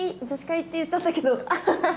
女子会って言っちゃったけど。